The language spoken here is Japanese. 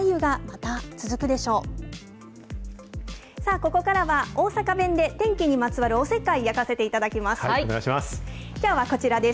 ここからは大阪弁で、天気にまつわるおせっかいやかせていただきます。